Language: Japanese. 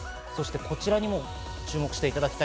こちらにも注目してください。